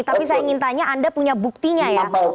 tapi saya ingin tanya anda punya buktinya ya